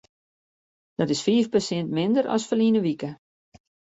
Dat is fiif persint minder as ferline wike.